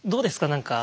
何か。